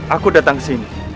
aku datang sini